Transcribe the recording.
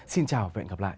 xin chào và hẹn gặp lại